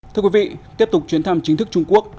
thưa quý vị tiếp tục chuyến thăm chính thức trung quốc